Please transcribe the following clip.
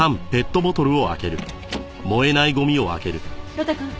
呂太くん